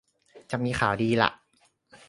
จะมีข่าวดีล่ะ